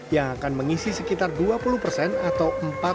yang akan mengisi sekitar dua puluh persen atau empat ratus ribu unit